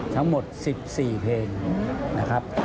ทั้งหมด๑๔เพลงนะครับ